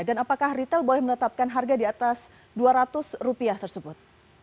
dan apakah retail boleh menetapkan harga di atas dua ratus rupiah tersebut